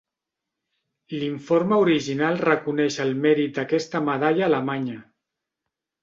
L'informe original reconeix el mèrit d'aquesta medalla a Alemanya.